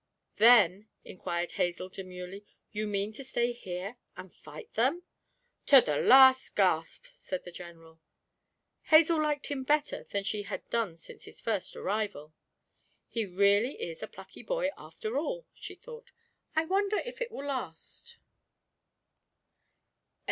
'Then,' inquired Hazel, demurely, 'you mean to stay here and fight them?' 'To the last gasp!' said the General. Hazel liked him better then than she had done since his first arrival. 'He really is a plucky boy after all,' she thought. 'I wonder if it will last?'